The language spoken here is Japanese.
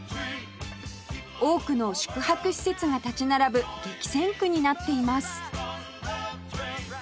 多くの宿泊施設が立ち並ぶ激戦区になっています